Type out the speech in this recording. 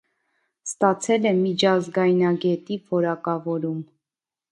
Ստացել է միջազգայնագետի որակավորում։